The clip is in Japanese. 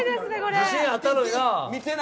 自信あったのにな。